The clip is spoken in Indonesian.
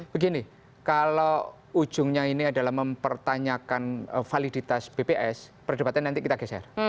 begini kalau ujungnya ini adalah mempertanyakan validitas bps perdebatannya nanti kita geser